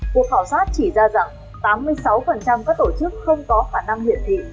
cuộc khảo sát chỉ ra rằng tám mươi sáu các tổ chức không có khả năng hiển thị